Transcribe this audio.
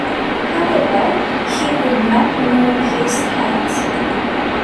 However, he could not move his hands.